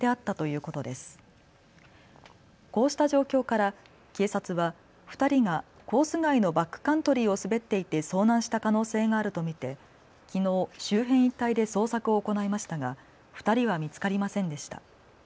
こうした状況から警察は２人がコース外のバックカントリーを滑っていて遭難した可能性があると見てきのう周辺一帯で捜索を行いましたが２人は見つかりませんでした。